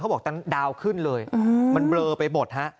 เขาบอกดาวขึ้นเลยมันเบลอไปหมด